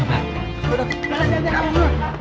sudah jangan jangan